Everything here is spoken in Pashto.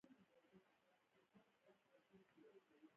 د کرفس شیره د څه لپاره وکاروم؟